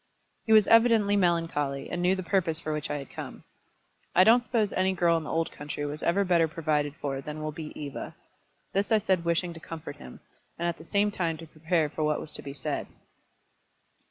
He was evidently melancholy, and knew the purpose for which I had come. "I don't suppose any girl in the old country was ever better provided for than will be Eva." This I said wishing to comfort him, and at the same time to prepare for what was to be said.